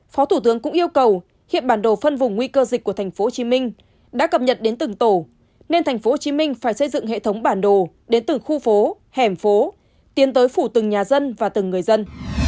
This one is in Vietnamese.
phó thủ tướng cũng yêu cầu hiện bản đồ phân vùng nguy cơ dịch của tp hcm đã cập nhật đến từng tổ nên tp hcm phải xây dựng hệ thống bản đồ đến từng khu phố hẻm phố tiến tới phủ từng nhà dân và từng người dân